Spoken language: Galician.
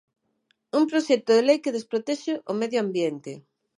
Un proxecto de lei que desprotexe o medio ambiente.